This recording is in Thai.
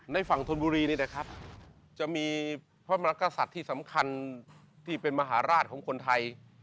ในฝั่งธนบุรีนี่นะครับจะมีพระมหากษัตริย์ที่สำคัญที่เป็นมหาราชของคนไทย